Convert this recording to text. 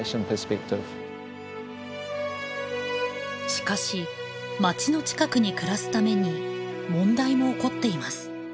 ・しかし町の近くに暮らすために問題も起こっています。